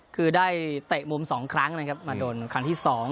คือได้เตะมุม๒ครั้งนะครับมาโดนครั้งที่๒